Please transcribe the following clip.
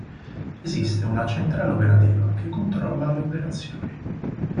Esiste una centrale operativa che controlla le operazioni.